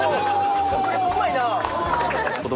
食リポうまいなぁ！